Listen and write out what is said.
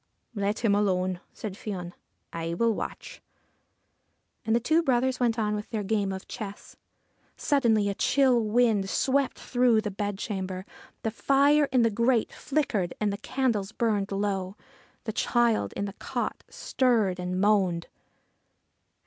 ' Let him alone/ said Fion. ' I will watch.' And the two brothers went on with their game of chess. Suddenly a chill wind swept through the bedchamber. The fire in the grate flickered, and the candles burned low: the child in the cot stirred and moaned.